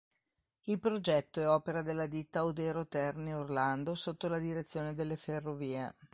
Il progetto è opera della Ditta Odero Terni Orlando sotto la direzione delle Ferrovie.